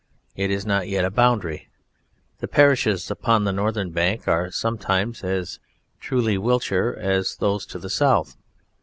It is not yet a boundary. The parishes upon the northern bank are sometimes as truly Wiltshire as those to the south.